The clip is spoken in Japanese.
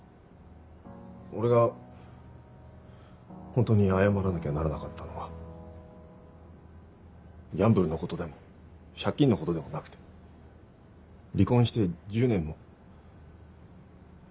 俺が本当に謝らなきゃならなかったのはギャンブルのことでも借金のことでもなくて離婚して１０年も。